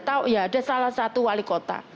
tahu ya ada salah satu wali kota